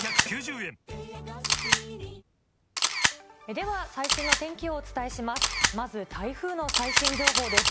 では、最新のお天気をお伝えします。